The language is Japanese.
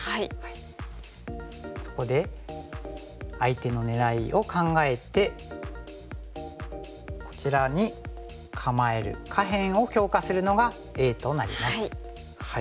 そこで相手の狙いを考えてこちらに構える下辺を強化するのがＡとなります。